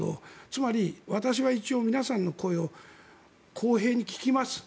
つまり、私は一応皆さんの声を公平に聞きます